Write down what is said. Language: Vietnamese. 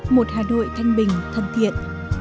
một hà nội thanh bình thân thiện